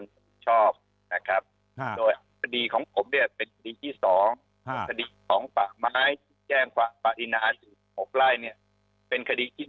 ทีหรือคดีของผมเป็นทีที่๒คดีของปากไม้แจ้งความอาจารย์เจริญาด้วยออกไลน์เป็นคดีที่๑